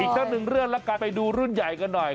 อีกสักหนึ่งเรื่องละกันไปดูรุ่นใหญ่กันหน่อย